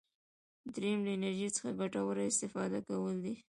دریم له انرژي څخه ګټوره استفاده کول دي.